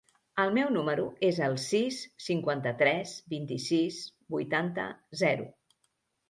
El meu número es el sis, cinquanta-tres, vint-i-sis, vuitanta, zero.